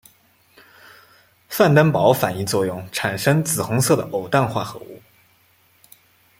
范登堡反应作用产生紫红色的偶氮化合物。